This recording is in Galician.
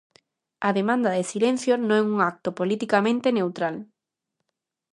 A demanda de silencio non é un acto politicamente neutral.